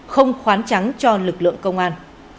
không khoán trắng cho lực lượng công an